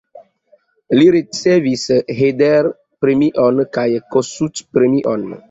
Li ricevis Herder-premion kaj Kossuth-premion.